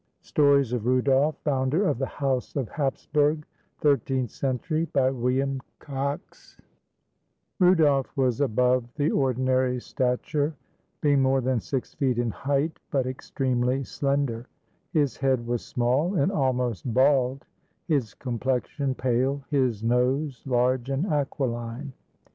STORIES OF RUDOLF, FOUNDER OF THE HOUSE OF HAPSBURG [Thirteenth century] BY WILLIAM COXE Rudolf was above the ordinary stature, being more than six feet in height, but extremely slender; his head was small and almost bald, his complexion pale, his nose large and aquiline.